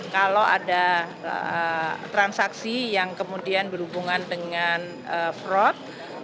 kalau ada transaksi yang kemudian berhubungan dengan fraud